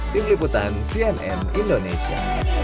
di peliputan cnn indonesia